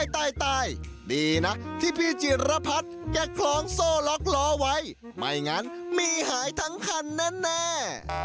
ใต้ดีนะที่พี่จิรพัฒน์แกคล้องโซ่ล็อกล้อไว้ไม่งั้นมีหายทั้งคันแน่